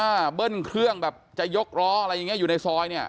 เบิ้ลเครื่องแบบจะยกล้ออะไรอย่างเงี้อยู่ในซอยเนี้ย